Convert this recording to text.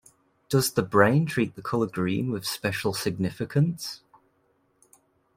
Does the brain treat the colour green with special significance?